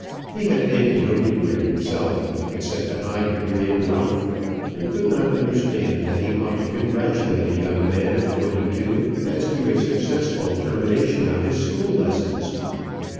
He had taken no degree himself, except a high degree in wealth, and could not understand that he ought to congratulate a young man of twenty two as to a successful termination of his school lessons.